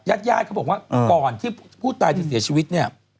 ญาติญาติเขาบอกว่าก่อนที่ผู้ตายจะเสียชีวิตเนี่ย